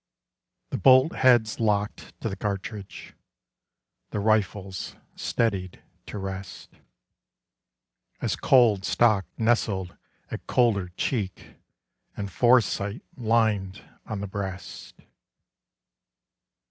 The bolt heads locked to the cartridge; The rifles steadied to rest, As cold stock nestled at colder cheek And foresight lined on the breast.